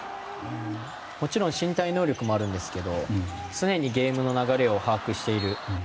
もちろん身体能力もあるんですけど常にゲームの流れを把握している。